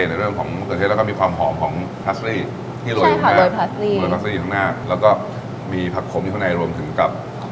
ลองไห้ด้วยนะ